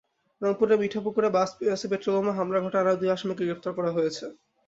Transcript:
রংপুরের মিঠাপুকুরে বাসে পেট্রলবোমা হামলার ঘটনায় আরও দুই আসামিকে গ্রেপ্তার করা হয়েছে।